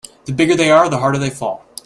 The bigger they are the harder they fall.